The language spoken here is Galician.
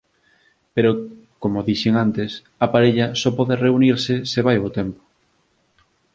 Pero, como dixen antes, a parella só pode reunirse se vai bo tempo.